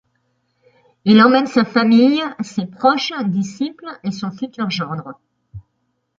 Il emmène sa famille, ses proches disciples et son futur gendre.